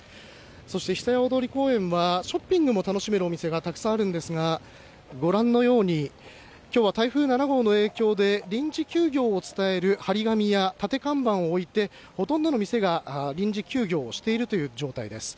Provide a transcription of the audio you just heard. そして久屋大通公園は、ショッピングも楽しめるお店がたくさんあるんですが、ご覧のようにきょうは台風７号の影響で、臨時休業を伝える貼り紙や立て看板を置いて、ほとんどの店が臨時休業をしているという状況です。